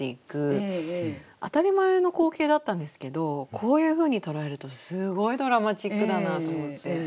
当たり前の光景だったんですけどこういうふうに捉えるとすごいドラマチックだなと思って。